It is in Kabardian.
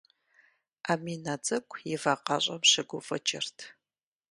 Аминэ цӏыкӏу и вакъэщӏэм щыгуфӏыкӏырт.